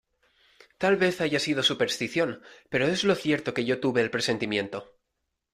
tal vez haya sido superstición, pero es lo cierto que yo tuve el presentimiento.